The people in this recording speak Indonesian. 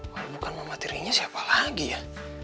walaupun bukan mama tiringnya siapa lagi ya